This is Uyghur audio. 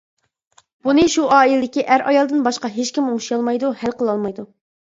بۇنى شۇ ئائىلىدىكى ئەر-ئايالدىن باشقا ھېچكىم ئوڭشىيالمايدۇ، ھەل قىلالمايدۇ!